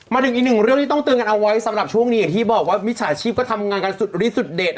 มาถึงอีกหนึ่งเรื่องที่ต้องเตือนกันเอาไว้สำหรับช่วงนี้อย่างที่บอกว่ามิจฉาชีพก็ทำงานกันสุดฤทธสุดเด็ด